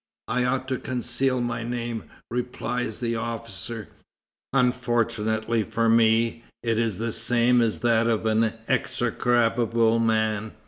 "I ought to conceal my name," replies the officer; "unfortunately for me, it is the same as that of an execrable man."